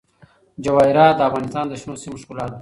جواهرات د افغانستان د شنو سیمو ښکلا ده.